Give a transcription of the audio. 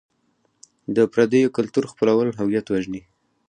د پردیو کلتور خپلول هویت وژني.